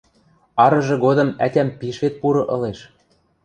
Арыжы годым ӓтям пиш вет пуры ылеш.